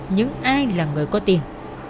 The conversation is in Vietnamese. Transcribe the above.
những ai là người có tiền